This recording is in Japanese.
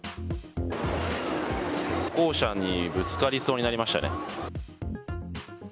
歩行者にぶつかりそうになりましたね。